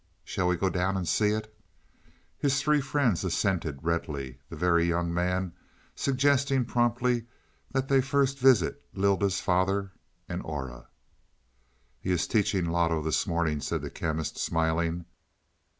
"Shall we go down and see it?" His three friends assented readily, the Very Young Man suggesting promptly that they first visit Lylda's father and Aura. "He is teaching Loto this morning," said the Chemist smiling.